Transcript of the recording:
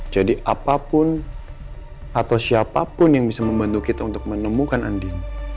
jadi apapun atau siapapun yang bisa membantu kita untuk menemukan andi